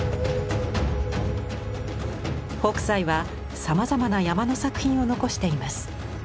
北斎はさまざまな山の作品を残しています。